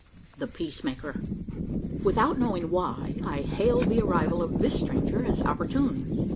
THE PEACEMAKER. Without knowing why, I hailed the arrival of this stranger as opportune.